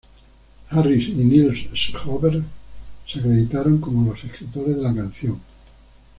Harris y Nils Sjöberg se acreditaron como los escritores de la canción.